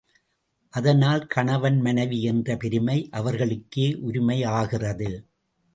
அதனால் கணவன் மனைவி என்ற பெருமை அவர்களுக்கே உரிமை ஆகிறது.